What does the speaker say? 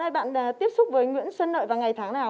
bạn ơi bạn đã tiếp xúc với nguyễn sơn nội vào ngày tháng nào